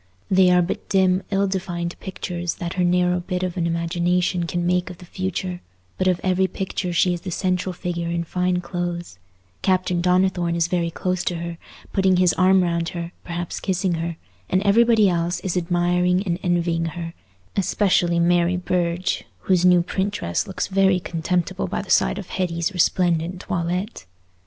They are but dim ill defined pictures that her narrow bit of an imagination can make of the future; but of every picture she is the central figure in fine clothes; Captain Donnithorne is very close to her, putting his arm round her, perhaps kissing her, and everybody else is admiring and envying her—especially Mary Burge, whose new print dress looks very contemptible by the side of Hetty's resplendent toilette.